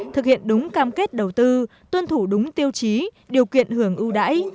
thực hiện đúng cam kết đầu tư tuân thủ đúng tiêu chí điều kiện hưởng ưu đãi